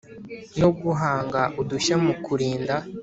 no guhanga udushya mu kurinda